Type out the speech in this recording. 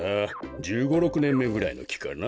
１５６ねんめぐらいのきかな。